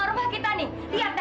kamu ngapain sih